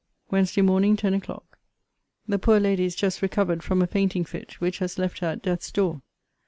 WEDNESDAY MORNING, TEN O'CLOCK. The poor lady is just recovered from a fainting fit, which has left her at death's door.